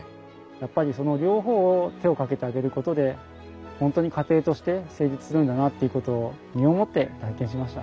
やっぱりその両方を手をかけてあげることで本当に家庭として成立するんだなっていうことを身をもって体験しました。